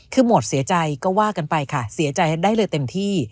คือหมดเสียใจก็ว่ากันไปค่ะเสียใจได้เลยเต็มที่